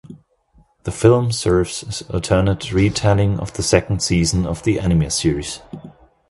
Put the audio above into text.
The film serves as alternate retelling of the second season of the anime series.